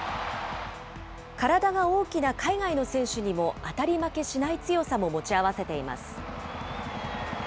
体が大きな海外の選手にも当たり負けしない強さも持ち合わせています。